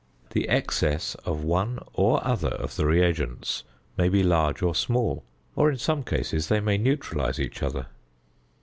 The excess of one or other of the re agents may be large or small; or, in some cases, they may neutralise each other.